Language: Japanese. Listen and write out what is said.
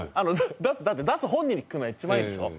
だって出す本人に聞くのが一番いいでしょ？